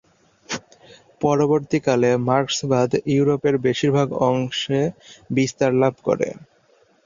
পরবর্তীকালে মার্কসবাদ ইউরোপের বেশিরভাগ অংশে বিস্তার লাভ করে।